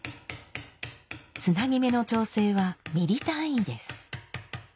つなぎ目の調整はミリ単位です。